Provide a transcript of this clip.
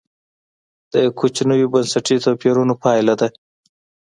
د کوچنیو بنسټي توپیرونو پایله ده.